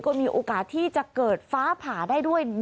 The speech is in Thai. ก็มีโอกาสที่จะเกิดฟ้าผ่าได้ด้วย